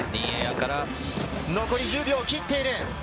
残り１０秒を切っている。